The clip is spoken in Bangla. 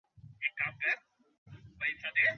কৌশলী দলেরা এখনই এখানে চলে আসবে।